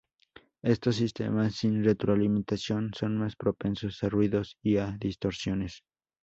Estos sistemas sin retroalimentación son más propensos a ruidos y a distorsiones.